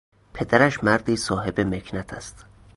پدرش مردی صاحب مکنت است.